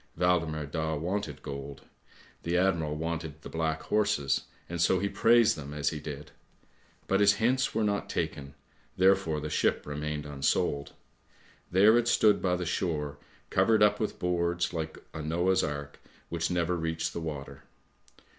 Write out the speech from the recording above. Waldemar Daa wanted gold; the admiral wanted the black horses, and so he praised them as he did ; but his hints were not taken, therefore the ship remained unsold. There it stood by the shore covered up with boards, like a Noah's Ark which never reached the water.